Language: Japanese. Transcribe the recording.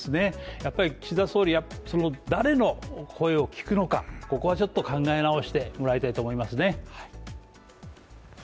やっぱり岸田総理は、その誰の声を聞くのか、ここはちょっと考え直してもらいたいと思いますね。